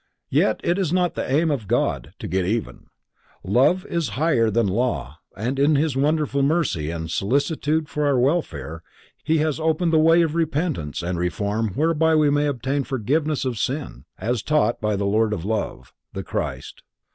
Yet it is not the aim of God to "get even;" love is higher than law and in His wonderful mercy and solicitude for our welfare He has opened the way of repentance and reform whereby we may obtain forgiveness of sin, as taught by the Lord of Love: the Christ.